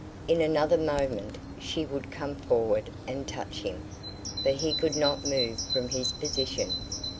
In another moment she would come forward and touch him, for he could not move from his position.